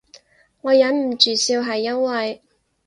我忍唔住笑係因為